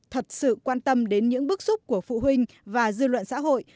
thật sự quan tâm đến những bước xúc của phụ huynh và dư luận xã hội